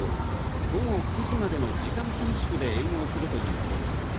午後９時までの時間短縮で営業するということです。